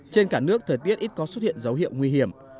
trên cả nước thời tiết ít có xuất hiện dấu hiệu nguy hiểm